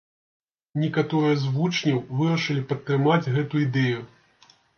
Некаторыя з вучняў вырашылі падтрымаць гэту ідэю.